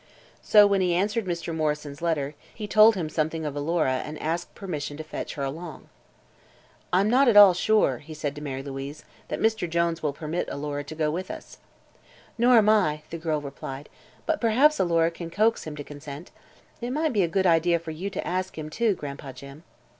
So, when he answered Mr. Morrison's letter, he told him something of Alora and asked permission to fetch her along. "I'm not at all sure," he said to Mary Louise, "that Mr. Jones will permit Alora to go with us." "Nor am I," the girl replied; "but perhaps Alora can coax him to consent. It might be a good idea for you to ask him, too, Gran'pa Jim."